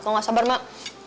kalau gak sabar mak